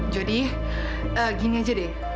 jody gini aja deh